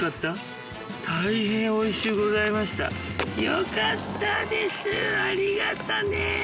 よかったですありがとね。